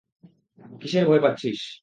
কিসের ভয় পাচ্ছিস?